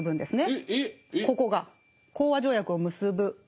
えっ！